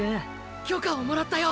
許可をもらったよ！！